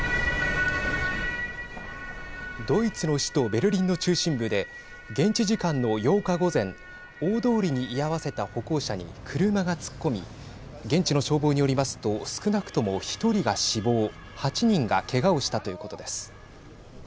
ドイツの首都ベルリンの中心部で現地時間の８日、午前大通りに居合わせた歩行者に車が突っ込み現地の消防によりますと少なくとも１人が死亡８人がけがをしたということです。